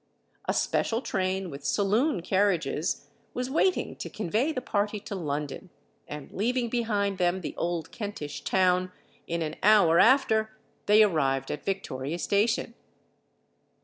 A special train with saloon carriages was waiting to convey the party to London, and leaving behind them the old Kentish town, in an hour after they arrived at Victoria Station.